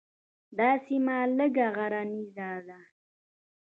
دا سیمه لږه غرنیزه ده.